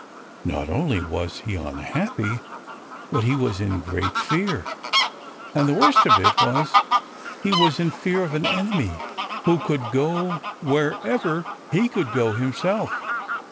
Not only was he unhappy, but he was in great fear, and the worst of it was he was in fear of an enemy who could go wherever he could go himself.